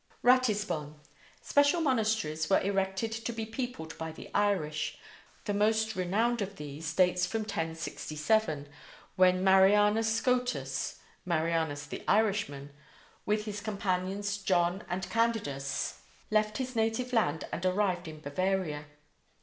RATISBON: Special monasteries were erected to be peopled by the Irish. The most renowned of these dates from 1067, when Marianus Scotus ("Marianus the Irishman"), with his companions, John and Candidus, left his native land and arrived in Bavaria.